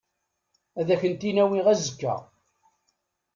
Ad ak-tent-in-awiɣ azekka.